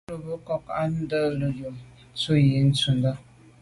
À lo mbe nkôg à to’ nelo’ yub ntum yi ntshundà.